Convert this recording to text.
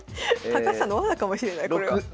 高橋さんの罠かもしれないこれは。